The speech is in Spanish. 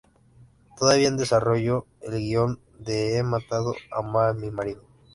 Todavía en desarrollo, el guion de ¡He Matado a mi Marido!